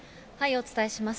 お伝えします。